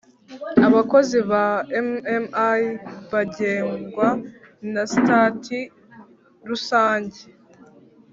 abakozi ba mmi bagengwa na sitati rusange